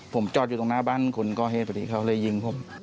ผมจอดอยู่ตรงหน้าบ้านคนก่อเหตุพอดีเขาเลยยิงผม